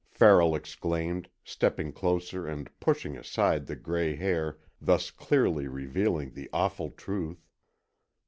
Farrell exclaimed, stepping closer and pushing aside the gray hair, thus clearly revealing the awful truth.